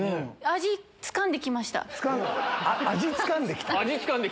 「味つかんできた」？